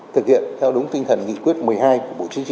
thực hiện theo đúng tinh thần nghị quyết một mươi hai của bộ chính trị